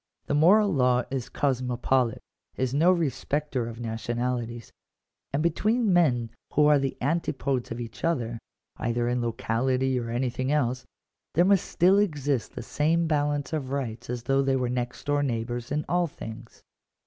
The moral law is cosmopolite — is no respecter of nationalities: and between men who are the antipodes of each other, either in locality or anything else, there must still exist the same balance of rights as though they were next door neighbours in all things.